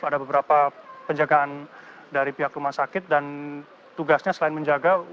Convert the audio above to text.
ada beberapa penjagaan dari pihak rumah sakit dan tugasnya selain menjaga